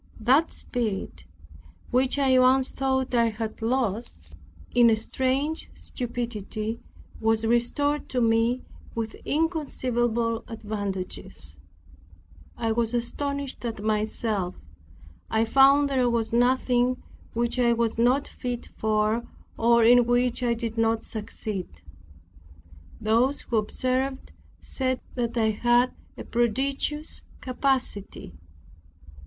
That spirit, which I once thought I had lost in a strange stupidity, was restored to me with inconceivable advantages. I was astonished at myself. I found there was nothing which I was not fit for or in which I did not succeed. Those who observed said that I had a prodigious capacity.